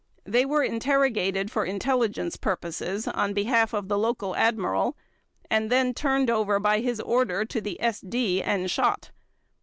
They were interrogated for intelligence purposes on behalf of the local Admiral, and then turned over by his order to the SD and shot.